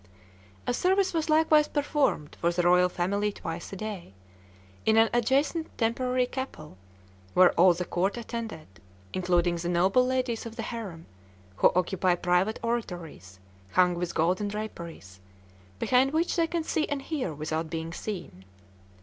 A service was likewise performed for the royal family twice a day, in an adjacent temporary chapel, where all the court attended, including the noble ladies of the harem, who occupy private oratories, hung with golden draperies, behind which they can see and hear without being seen.